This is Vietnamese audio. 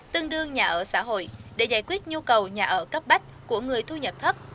tương đương nhà ở xã hội để giải quyết nhu cầu nhà ở cấp bách của người thu nhập thấp